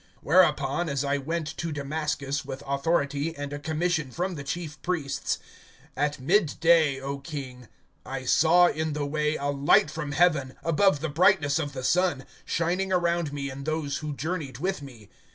(12)Whereupon, as I went to Damascus with authority and a commission from the chief priests, (13)at midday, O king, I saw in the way a light from heaven, above the brightness of the sun, shining around me and those who journeyed with me.